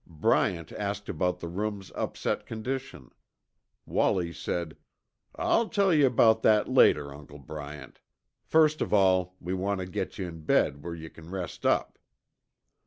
Bryant asked about the room's upset condition. Wallie said, "I'll tell yuh about that later, Uncle Bryant. First of all we want tuh get yuh in bed where yuh c'n rest up."